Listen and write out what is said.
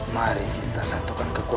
mas rasha tunggu